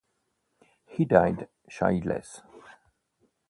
He died childless.